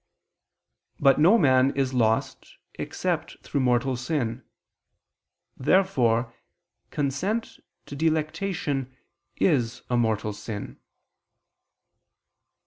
But no man is lost except through mortal sin. Therefore consent to delectation is a mortal sin.